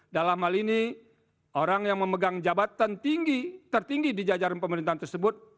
dalam hal ini orang yang memegang jabatan tinggi tertinggi di jajaran pemerintahan tersebut